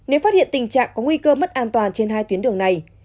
nếu phát hiện tình trạng có nguy cơ mất an toàn trên hai tuyến đường này